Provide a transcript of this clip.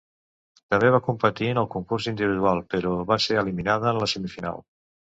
També va competir en el concurs individual, però va ser eliminada en la semifinal.